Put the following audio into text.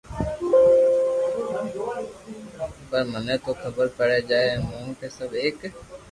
پر مني تو خبر پڙي جائين ڪونڪھ سب ايڪ